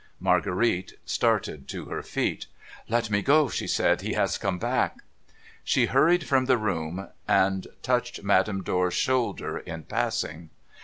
Marguerite started to her feet. ' Let me go !' she said. ' He has come back !' She hurried from the room, and touched Madame Dor's shoulder in passing.